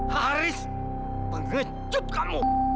haris pengecut kamu